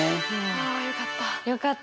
あよかった！